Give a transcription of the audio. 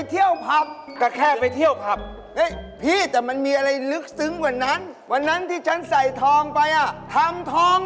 เอ่อมันบอกพี่ใช่ไหมเจ้าของสร้ายทองส่องกระหลึง